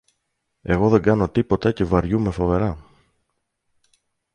Εγώ δεν κάνω τίποτα και βαριούμαι φοβερά!